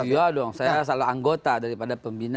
oh iya dong saya salah anggota daripada pembina